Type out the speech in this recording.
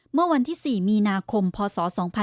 เมื่อวันที่๔มีนาคมพศ๒๕๖๒